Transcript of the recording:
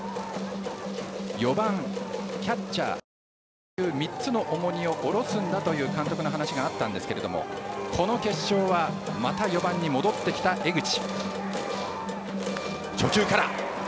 ４番、キャッチャー、主将という３つの重荷を下ろすんだという監督の話があったんですがこの決勝はまた４番に戻ってきた江口。